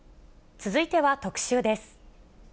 続いては特集です。